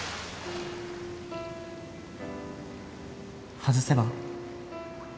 外せば？